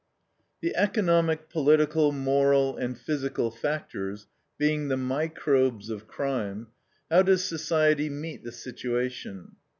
The economic, political, moral, and physical factors being the microbes of crime, how does society meet the situation?